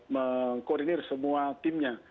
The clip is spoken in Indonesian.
mengkoordinir semua timnya